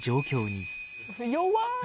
弱い。